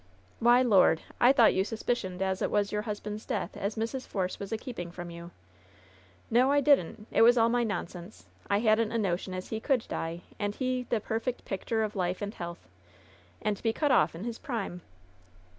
"Why, Lord! I thought you suspicioned as it was your husband's death as Mrs. Force was a keeping from you." "No, I didn't. It was all my nonsense, I hadn't a notion as he could die, and he the perfect pictor of life and health. And to be cut off in his prime